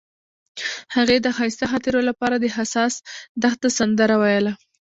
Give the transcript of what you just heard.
هغې د ښایسته خاطرو لپاره د حساس دښته سندره ویله.